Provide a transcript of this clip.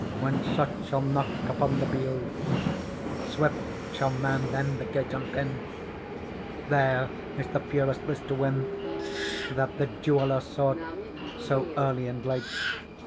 When such shall knock upon the bield,^ Swift shall man them the gate unpin. There is the purest bliss to win. That the jeweller sought so early and late.